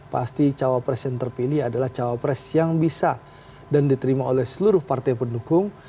pasti cowok presiden terpilih adalah cowok presiden yang bisa dan diterima oleh seluruh partai pendukung